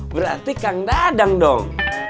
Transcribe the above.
berarti kang dadang dong